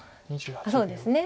そうですね